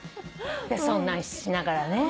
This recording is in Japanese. そんなんしながらね。